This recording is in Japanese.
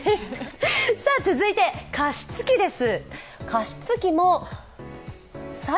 続いて加湿器です。